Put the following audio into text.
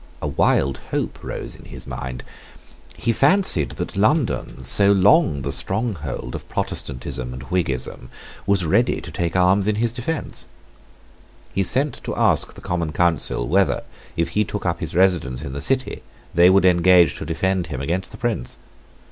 A wild hope rose in his mind. He fancied that London, so long the stronghold of Protestantism and Whiggism, was ready to take arms in his defence. He sent to ask the Common Council whether, if he took up his residence in the City, they would engage to defend him against the Prince.